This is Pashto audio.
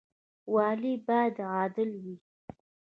والي باید عادل وي